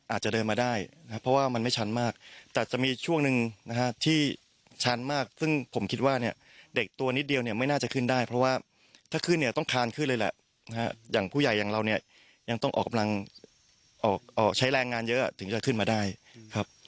อาจจะเดินมาได้นะครับเพราะว่ามันไม่ชันมากแต่จะมีช่วงหนึ่งนะฮะที่ชั้นมากซึ่งผมคิดว่าเนี่ยเด็กตัวนิดเดียวเนี่ยไม่น่าจะขึ้นได้เพราะว่าถ้าขึ้นเนี่ยต้องคานขึ้นเลยแหละนะฮะอย่างผู้ใหญ่อย่างเราเนี่ยยังต้องออกกำลังใช้แรงงานเยอะถึงจะขึ้นมาได้ครับ